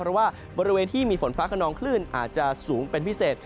เพราะว่าบริเวณที่มีฝนฟ้าขนองคลื่นอาจจะสูงเป็นพิเศษ